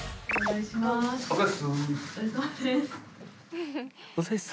お願いします。